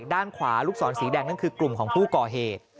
ด้านขวาลูกศรสีแดงนั่นคือกลุ่มของผู้ก่อเหตุ